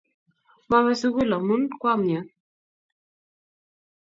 Mawe sukul amun kwa miani